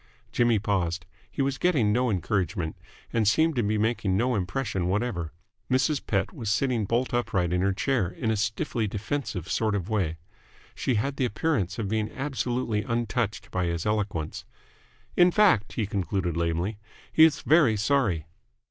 Jimmy paused. He was getting no encouragement, and seemed to be making no impression whatever. Mrs. Pett was sitting bolt upright in her chair in a stiffly defensive sort of way. She had the appearance of being absolutely untouched by his eloquence. "In fact," he concluded lamely, "he is very sorry."